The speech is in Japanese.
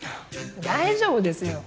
大丈夫ですよ。